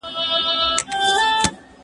که استاد په نرمه لهجه املا ووایي.